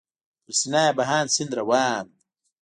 پر سینه یې بهاند سیند روان و.